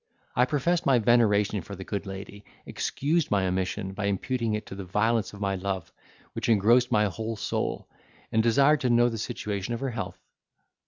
I professed my veneration for the good lady, excused my omission, by imputing it to the violence of my love, which engrossed my whole soul, and desired to know the situation of her health.